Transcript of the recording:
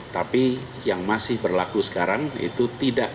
tapi yang masih berlaku sekarang itu tidak